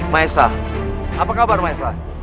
maesah apa kabar maesah